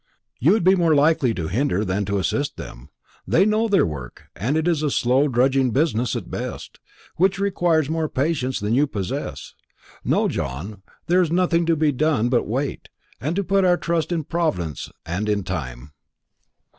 "You would be more likely to hinder than to assist them. They know their work, and it is a slow drudging business at best, which requires more patience than you possess. No, John, there is nothing to be done but to wait, and put our trust in Providence and in time."